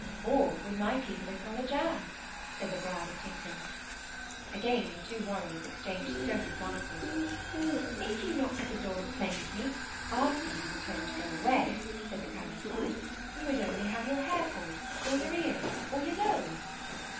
'Or would my people acknowledge ours?' said the bride of Tinkling. Again the two warriors exchanged stony glances. 'If you knocked at the door and claimed me, after you were told to go away,' said the colonel's bride, 'you would only have your hair pulled, or your ears, or your nose.